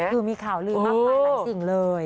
คือมีข่าวลือมากมายหลายสิ่งเลย